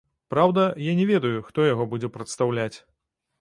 Праўда, я не ведаю, хто яго будзе прадстаўляць.